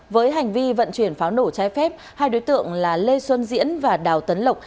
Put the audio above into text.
với hành vi vận chuyển pháo nổ trái phép hai đối tượng là lê xuân diễn và đào tấn lộc